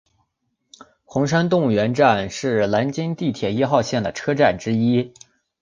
红山动物园站是南京地铁一号线的车站之一。